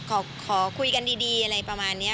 เขาเอ่ออืมก็ขอคุยกันดีอะไรประมาณนี้ค่ะ